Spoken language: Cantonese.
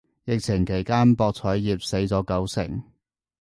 疫情期間博彩業死咗九成